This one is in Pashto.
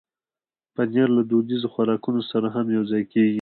پنېر له دودیزو خوراکونو سره هم یوځای کېږي.